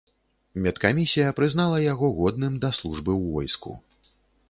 Медкамісія прызнала яго годным да службы ў войску.